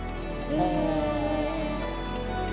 へえ。